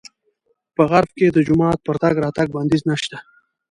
په غرب کې د جومات پر تګ راتګ بندیز نه شته.